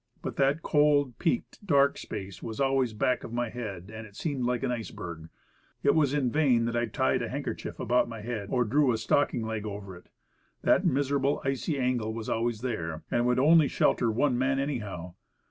But that cold, peaked, dark space was always back of my head, and it seemed like an ice berg. It was in vain that I tied a handkerchief about my head, or drew a stocking leg over it. That miser able, icy angle was always there. And it would only shelter one man anyhow.